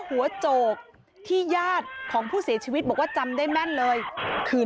หัวโจกที่ญาติของผู้เสียชีวิตบอกว่าจำได้แม่นเลยคือ